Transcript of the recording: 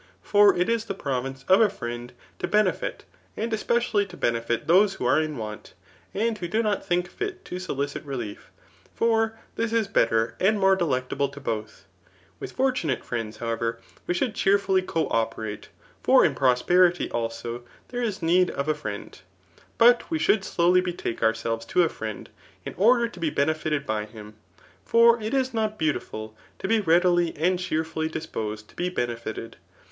For it is the province of a friend to be aefit, and especially to benefit those who are in want, and who do not think fit to solicit relief; for this b betikr and more delectable to both. With fortunate jEriends^ however, we should cheerfiilly co operate ; for fli prosperity also there, is need of a friend. But wo ahould slowly betake ourselves to a friend, in order to be benefited by him ; for it is not beautiful to be readily and cheerfiilly (disposed to be benefited.